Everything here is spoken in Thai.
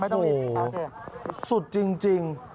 โธ่สุดจริง